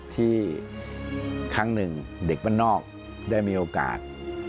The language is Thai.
ที่ครั้งนึงเด็กพระนอกได้มีโอกาส